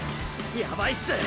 ヤバイっす！！